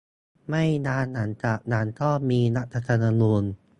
ไม่นานหลังจากนั้นก็มีรัฐธรรมนูญ